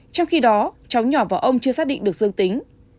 trong khi đó cháu nhỏ và ông chưa xác định được dương tính